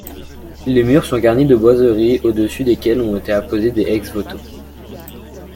Les murs sont garnis de boiseries au-dessus desquelles ont été apposés des ex-voto.